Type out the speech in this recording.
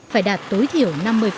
phải đạt tối thiểu năm mươi